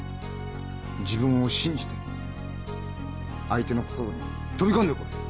自分を信じて相手の心に飛び込んでこい！